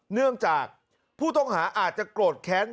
เนื่องจากผู้ต้องหาอาจจะโกรธแค้น